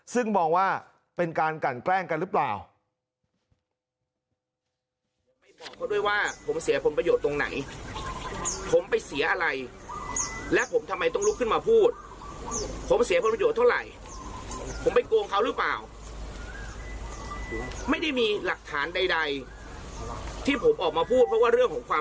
ซึ่งมองว่าเป็นการกันแกล้งกันหรือเปล่า